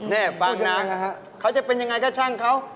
แน่บ้างนะเขาจะเป็นอย่างไรก็ช่างเขา